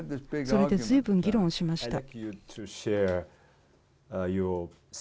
それでずいぶん議論をしました。